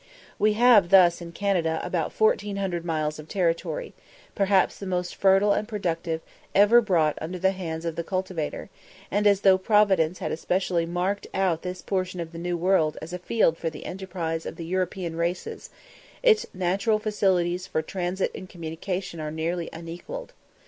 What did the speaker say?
We have thus in Canada about 1400 miles of territory, perhaps the most fertile and productive ever brought under the hands of the cultivator; and as though Providence had especially marked out this portion of the New World as a field for the enterprise of the European races, its natural facilities for transit and communication are nearly unequalled.